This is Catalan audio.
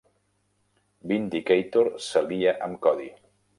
Vindicator s'alia amb Cody.